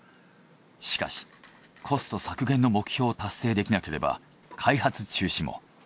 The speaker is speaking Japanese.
しかしコスト削減の目標を達成できなければ開発中止も。